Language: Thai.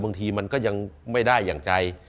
บางทีมันก็ยังไม่ได้อย่างใจ